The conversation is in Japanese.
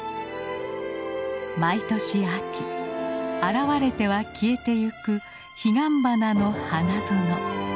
毎年秋現れては消えていくヒガンバナの花園。